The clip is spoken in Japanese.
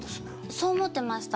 そう思ってました